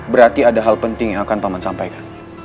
berarti ada hal penting yang akan paman sampaikan